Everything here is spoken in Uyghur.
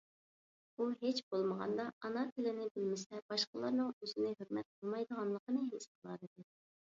ئۇ ھېچ بولمىغاندا، ئانا تىلنى بىلمىسە باشقىلارنىڭ ئۆزىنى ھۆرمەت قىلمايدىغانلىقىنى ھېس قىلالىدى.